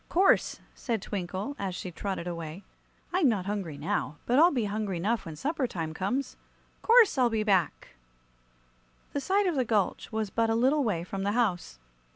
"'Course," said Twinkle, as she trotted away. "I'm not hungry now, but I'll be hungry 'nough when supper time comes. 'Course I'll be back!" The side of the gulch was but a little way from the house.